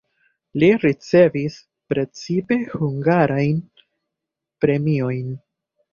Li ricevis precipe hungarajn premiojn.